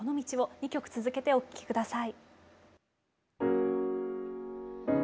２曲続けてお聴き下さい。